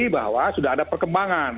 bahwa sudah ada perkembangan